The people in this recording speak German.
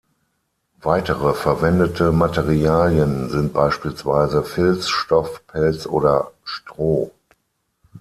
Weitere verwendete Materialien sind beispielsweise Filz, Stoff, Pelz oder Stroh.